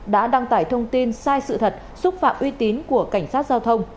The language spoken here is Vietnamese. đã đăng tải thông tin sai sự thật xúc phạm uy tín của cảnh sát giao thông